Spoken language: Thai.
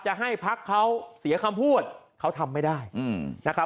จะให้พักเขาเสียคำพูดเขาทำไม่ได้นะครับ